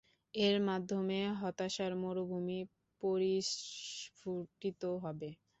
এর মাধ্যমে হতাশার মরুভূমি পরিষ্ফুটিত হবে।